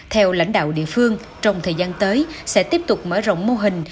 theo lãnh đạo địa phương trong thời gian tới sẽ tiếp tục mở rộng mô hình